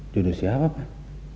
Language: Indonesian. jodoh siapa pak